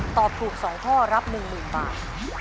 ตอบถูก๒ข้อรับ๑๐๐๐บาท